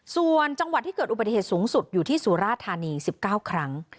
ส่วนจังหวัดที่เกิดอุบัติเหตุสูงสุดอยู่ที่สุราธานี๑๙ครั้ง